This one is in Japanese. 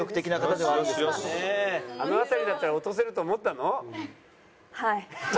あの辺りだったら落とせると思ったの？